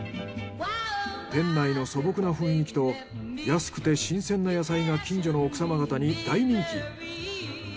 店内の素朴な雰囲気と安くて新鮮な野菜が近所の奥様方に大人気。